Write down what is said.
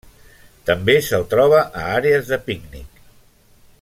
També se'l troba a àrees de pícnic.